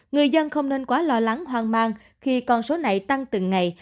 người dân không nên quá lo lắng hoang mang khi con số này tăng từng ngày